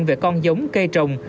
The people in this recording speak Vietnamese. về con giống cây trồng